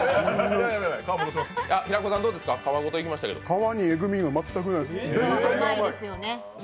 皮にえぐみ全くないです。